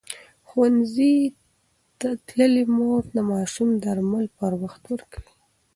ښوونځې تللې مور د ماشوم درمل پر وخت ورکوي.